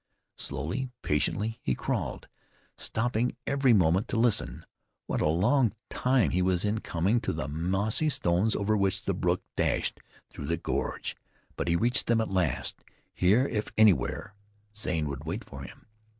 Slowly, patiently he crawled, stopping every moment to listen. What a long time he was in coming to the mossy stones over which the brook dashed through the gorge! But he reached them at last. Here if anywhere Zane would wait for him.